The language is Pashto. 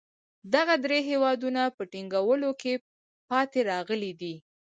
دغه درې هېوادونه په ټینګولو کې پاتې راغلي دي.